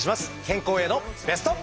健康へのベスト。